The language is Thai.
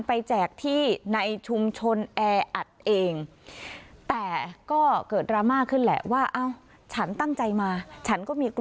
มันอาจจะเสี่ยงต่อการระบาดของโควิด๑๙